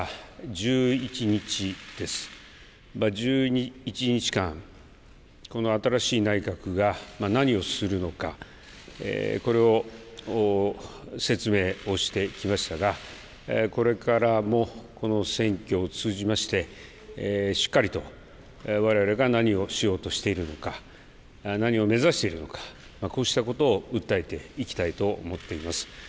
１１日間、この新しい内閣が何をするのか、これを説明をしてきましたが、これからもこの選挙を通じまして、しっかりとわれわれが何をしようとしているのか、何を目指しているのか、こうしたことを訴えていきたいと思っています。